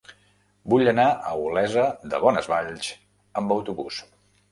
Vull anar a Olesa de Bonesvalls amb autobús.